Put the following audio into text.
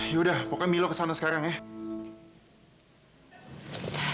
yaudah pokoknya milo kesana sekarang ya